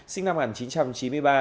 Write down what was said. sinh năm một nghìn chín trăm chín mươi ba